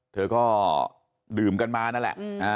เธอก็ดื่มกันมานั่นแหละ